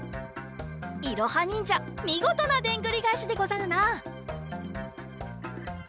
いろはにんじゃみごとなでんぐりがえしでござるな！